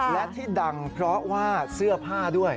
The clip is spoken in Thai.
และที่ดังเพราะว่าเสื้อผ้าด้วย